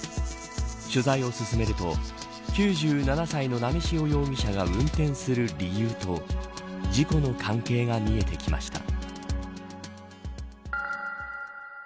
取材を進めると９７歳の波汐容疑者が運転する理由と事故の関係が見えてきました。